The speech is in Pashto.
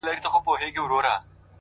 ته مور! وطن او د دنيا ښكلا ته شعر ليكې!